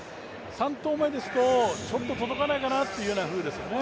３投目ですと、ちょっと届かないかなというふうですよね。